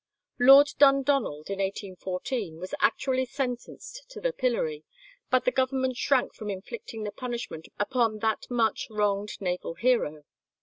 Lord Dundonald in 1814 was actually sentenced to the pillory, but the Government shrank from inflicting the punishment upon that much wronged naval hero.